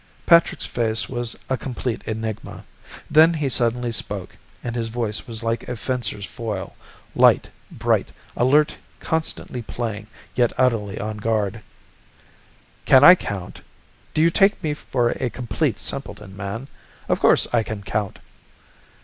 Patrick's face was a complete enigma. Then he suddenly spoke, and his voice was like a fencer's foil light, bright, alert, constantly playing, yet utterly on guard. "Can I count? Do you take me for a complete simpleton, man? Of course I can count!"